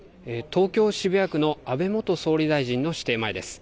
東京、渋谷区の安倍元総理大臣の私邸前です。